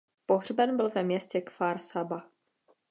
Pohřben byl ve městě Kfar Saba.